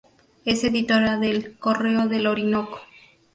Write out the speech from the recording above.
Es editora del "Correo del Orinoco".